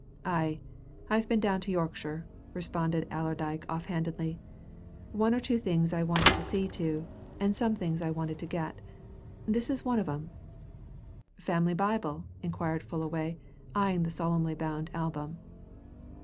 "Aye, I've been down to Yorkshire," responded Allerdyke offhandedly. "One or two things I wanted to see to, and some things I wanted to get. This is one of 'em." "Family Bible?" inquired Fullaway, eyeing the solemnly bound album.